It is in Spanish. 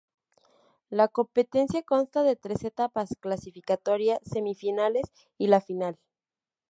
La competencia consta de tres etapas: clasificatoria, semifinales y la final.